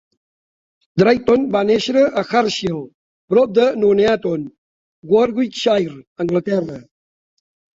Drayton va néixer a Hartshill, prop de Nuneaton, Warwickshire (Anglaterra).